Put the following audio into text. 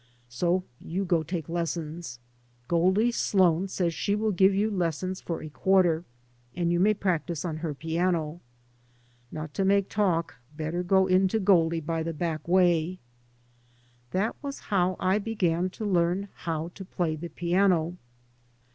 So you go take lessons. Goldie Sloan says she will give you lessons for a quarter, and you may practice on her piano. Not to make talk, better go in to Goldie by the back way." ... That was how I began to learn how to play the piano.